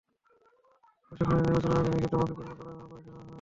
প্রশিক্ষণের জন্য নির্বাচনের আগে লিখিত, মৌখিক কিংবা প্রাক্যোগ্যতা পরীক্ষা নেওয়া হয়।